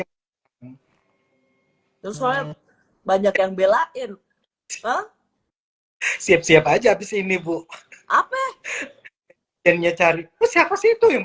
hai itu soal banyak yang belain siap siap aja habis ini bu apa dan nyetar siapa sih itu yang